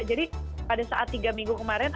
jadi pada saat tiga minggu kemarin